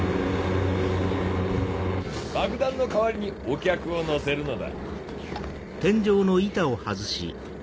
爆弾の代わりにお客を乗せるのだ。